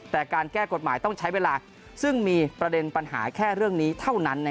แต่การแก้กฎหมายต้องใช้เวลาซึ่งมีประเด็นปัญหาแค่เรื่องนี้เท่านั้น